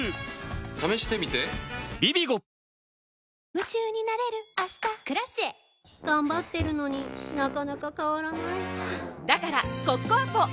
夢中になれる明日「Ｋｒａｃｉｅ」頑張ってるのになかなか変わらないはぁだからコッコアポ！